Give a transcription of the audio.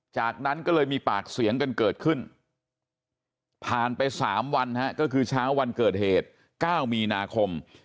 จากนั้นก็เลยมีปากเสียงกันเกิดขึ้นผ่านไป๓วันก็คือเช้าวันเกิดเหตุ๙มีนาคม